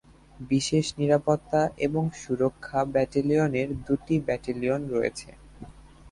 বিশেষ নিরাপত্তা এবং সুরক্ষা ব্যাটালিয়নের দুটি ব্যাটেলিয়ন রয়েছে।